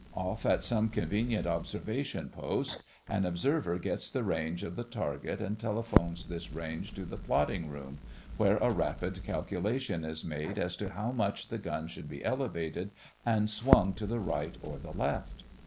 Off at some convenient observation post, an observer gets the range of the target and telephones this range to the plotting room, where a rapid calculation is made as to how much the gun should be elevated and swung to the right or the left.